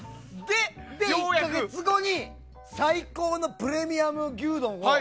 １か月後に最高のプレミアム牛丼を。